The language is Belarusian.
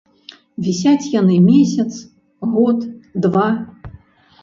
Вісяць яны месяц, год, два.